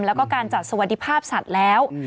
แล้วก็การจัดสวัสดิภาพสัตว์แล้ว